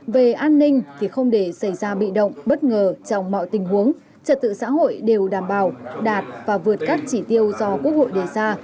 về an ninh thì không để xảy ra bị động bất ngờ trong mọi tình huống trật tự xã hội đều đảm bảo đạt và vượt các chỉ tiêu do quốc hội đề ra